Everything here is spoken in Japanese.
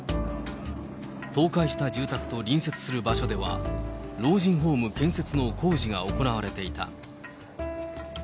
倒壊した住宅と隣接する場所では、老人ホーム建設の工事が行われていた。